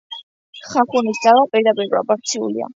ხახუნის ძალა პირდაპირპროპორციულია